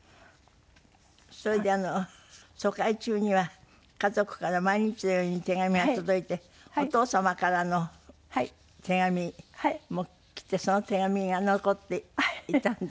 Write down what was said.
それで疎開中には家族から毎日のように手紙が届いてお父様からの手紙もきてその手紙が残っていたんで。